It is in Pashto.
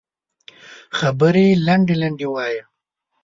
خبرې لنډې لنډې وایه